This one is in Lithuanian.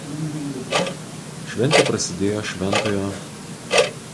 Šventė prasidėjo šv.